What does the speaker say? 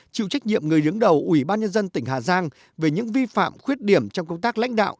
chịu trách nhiệm người đứng đầu ủy ban nhân dân tỉnh hà giang về những vi phạm khuyết điểm trong công tác lãnh đạo